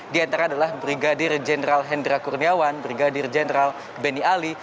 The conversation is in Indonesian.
di antara adalah brigadir jenderal hendra kurniawan brigadir jenderal benny ali